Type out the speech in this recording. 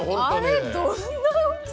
あれどんな大きさ⁉